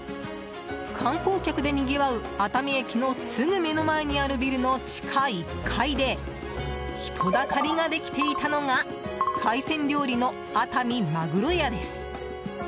観光客でにぎわう熱海駅のすぐ目の前にあるビルの地下１階で人だかりができていたのが海鮮料理の、あたみまぐろやです。